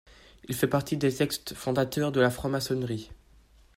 Il fait partie des textes fondateurs de la franc-maçonnerie.